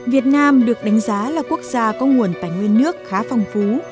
việt nam được đánh giá là quốc gia có nguồn tài nguyên nước khá phong phú